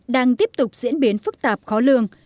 đang tiếp tục diễn biến phức tạp khó lương